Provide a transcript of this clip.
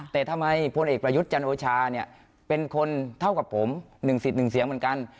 แต่ทำไมพลเอกประยุทจรรย์โจชาเป็นคนเท่ากับผมหนึ่งสิทธิ์หนึ่งเสียงเหมือนกัน